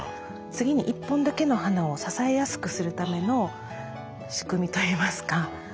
次に１本だけの花を支えやすくするための仕組みといいますか。